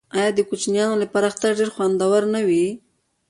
آیا د کوچنیانو لپاره اختر ډیر خوندور نه وي؟